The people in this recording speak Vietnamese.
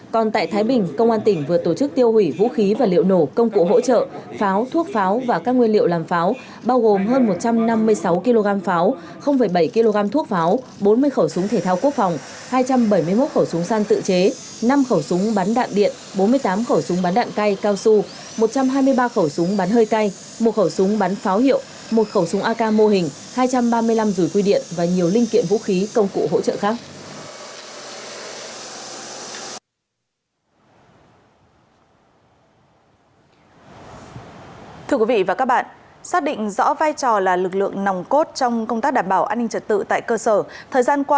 còn tại thái bình công an tỉnh vừa tổ chức tiêu hủy vũ khí và liệu nổ công cụ hỗ trợ pháo thuốc pháo và các nguyên liệu làm pháo bao gồm hơn một trăm năm mươi sáu kg pháo bảy kg thuốc pháo bốn mươi khẩu súng thể thao quốc phòng hai trăm bảy mươi một khẩu súng san tự chế năm khẩu súng bắn đạn điện bốn mươi tám khẩu súng bắn đạn cay cao su một trăm hai mươi ba khẩu súng bắn hơi cay một khẩu súng bắn pháo hiệu một khẩu súng ak mô hình hai trăm ba mươi năm rủi quy điện và nhiều linh kiện vũ khí công cụ hỗ trợ khác